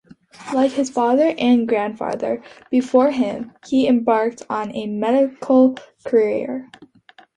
Like his father and grandfather before him, he embarked on a medical career.